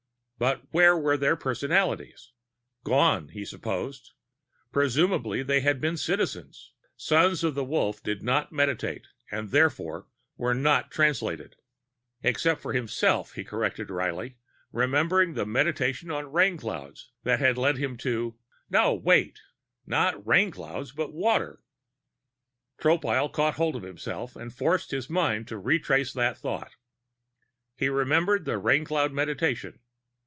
But where were their personalities? Gone, he supposed; presumably they had been Citizens. Sons of the Wolf did not Meditate and therefore were not Translated except for himself, he corrected wryly, remembering the Meditation on Rainclouds that had led him to No, wait! Not Rainclouds but Water! Tropile caught hold of himself and forced his mind to retrace that thought. He remembered the Raincloud Meditation.